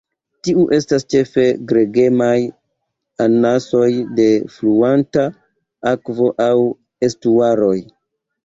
Tiuj estas ĉefe gregemaj anasoj de fluanta akvo aŭ estuaroj.